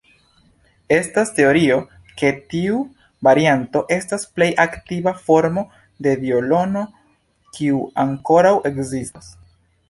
Estas teorio ke tiu varianto estas plej antikva formo de violono kiu ankoraŭ ekzistas.